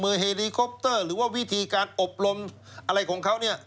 มือเฮรีคอปเตอร์หรือว่าวิธีการอบรมอะไรของเขา